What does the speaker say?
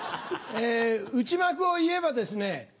内幕を言えばですね